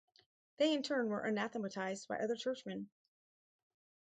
They in turn were anathematized by other churchmen.